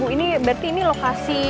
ini berarti lokasi